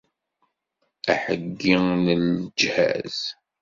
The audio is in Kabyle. Aheyyi n lejhaz.